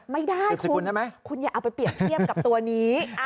ไม่ได้คุณคุณอย่าเอาไปเปรียบเทียบกับตัวนี้